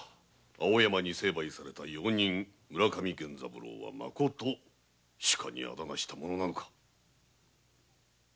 青山に成敗された用人・村上源三郎はまこと主家に仇なした者なのか？